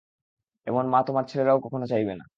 এমন মা তোমার ছেলেরাও কখনো চাইবে না।